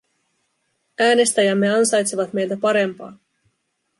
Äänestäjämme ansaitsevat meiltä parempaa.